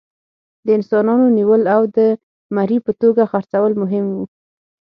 د انسانانو نیول او د مري په توګه خرڅول مهم وو.